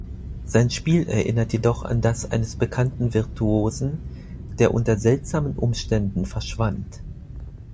Sein Spiel erinnert jedoch an das eines bekannten Virtuosen, der unter seltsamen Umständen verschwand.